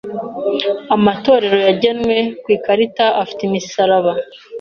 Amatorero yagenwe ku ikarita afite imisaraba.